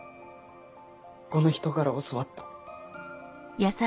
この人から教わった。